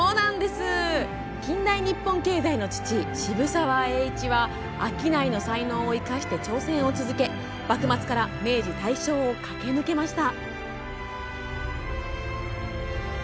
近代日本経済の父渋沢栄一は商いの才能を生かして挑戦を続け幕末から明治・大正を駆け抜けました。